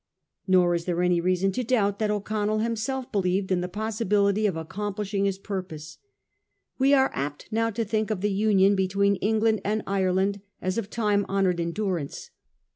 Nor is there any reason to doubt that O'Connell himself believed in the possibility of accomplishing his purpose. We are apt now to think of the Union between England and Ireland as of time honoured endurance.